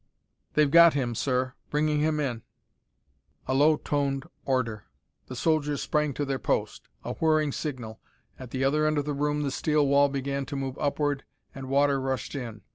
"They've got him, sir, bringing him in." A low toned order. The soldiers sprang to their post. A whirring signal. At the other end of the room the steel wall began to move upward, and water rushed in.